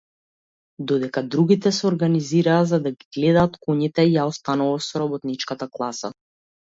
Додека другите се организираа за да ги гледаат коњите, јас останував со работничката класа.